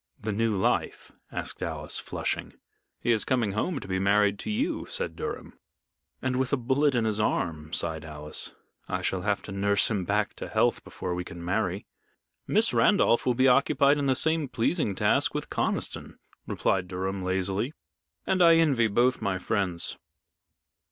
"The new life?" asked Alice, flushing. "He is coming home to be married to you," said Durham. "And with a bullet in his arm," sighed Alice. "I shall have to nurse him back to health before we can marry." "Miss Randolph will be occupied in the same pleasing task with Conniston," replied Durham, lazily, "and I envy both my friends."